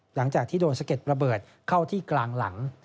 หลังจากที่โดนสะเก็ดระเบิดเข้าที่กลางหลัง